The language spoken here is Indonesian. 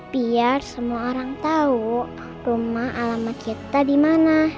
biar semua orang tahu rumah alamat kita di mana